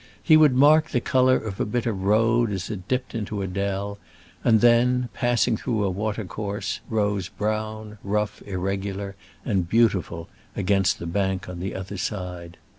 He would mark the colour of a bit of road as it dipped into a dell, and then, passing through a water course, rose brown, rough, irregular, and beautiful against the bank on the other side.